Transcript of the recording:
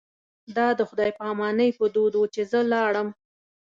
دا د خدای په امانۍ په دود و چې زه لاړم.